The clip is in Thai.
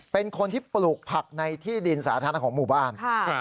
เป็นคนที่ปลูกผักในที่ดินสาธารณะของหมู่บ้าน